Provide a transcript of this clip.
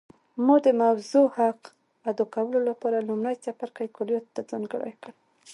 ما د موضوع حق ادا کولو لپاره لومړی څپرکی کلیاتو ته ځانګړی کړ